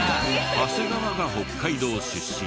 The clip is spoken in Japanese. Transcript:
長谷川が北海道出身。